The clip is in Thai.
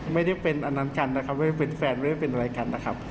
ไม่ได้เป็นอันนั้นกันนะครับไม่ได้เป็นแฟนไม่ได้เป็นอะไรกันนะครับ